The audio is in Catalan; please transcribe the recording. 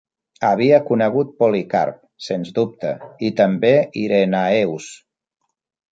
Havia conegut Polycarp, sens dubte, i també Irenaeus.